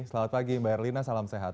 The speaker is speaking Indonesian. selamat pagi mbak erlina salam sehat